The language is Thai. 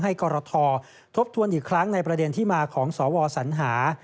กรทบทวนอีกครั้งในประเด็นที่มาของสวสัญหา